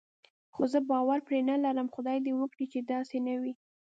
خو زه باور پرې نه لرم، خدای دې وکړي چې داسې نه وي.